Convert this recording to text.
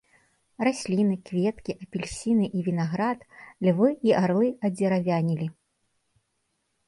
Расліны, кветкі, апельсіны і вінаград, львы і арлы адзеравянелі.